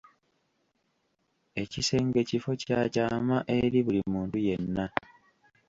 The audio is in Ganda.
Ekisenge kifo kya kyama eri buli muntu yenna.